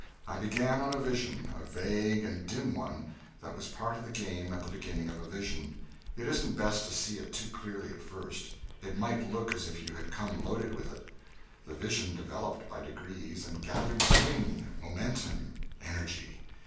I began on a vision, a vague and dim one (that was part of the game at the beginning of a vision; it isn't best to see it too clearly at first, it might look as if you had come loaded with it). The vision developed, by degrees, and gathered swing, momentum, energy.